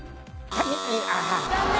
はい。